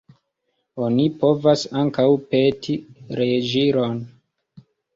Oni povas ankaŭ peti reĝiron.